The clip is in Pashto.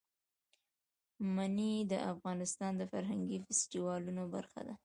منی د افغانستان د فرهنګي فستیوالونو برخه ده.